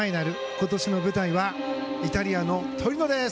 今年の舞台はイタリアのトリノです。